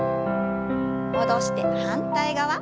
戻して反対側。